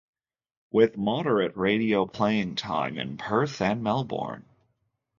With moderate radio playing time in Perth and Melbourne.